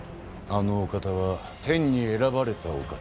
あのお方は天に選ばれたお方。